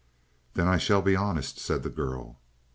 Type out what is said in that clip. "Then I shall be honest," said the girl.